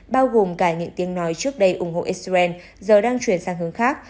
bao gồm cả những tiếng nói trước đây ủng hộ israel giờ đang chuyển sang hướng khác